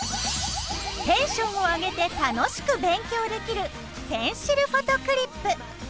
テンションを上げて楽しく勉強できるペンシルフォトクリップ。